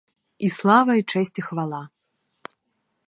І слава, і честь і хвала!